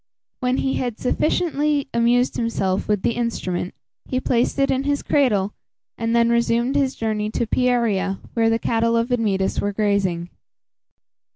When he had sufficiently amused himself with the instrument, he placed it in his cradle, and then resumed his journey to Pieria, where the cattle of Admetus were grazing.